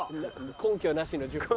根拠なしの１０歩。